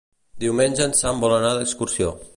Diumenge en Sam vol anar d'excursió.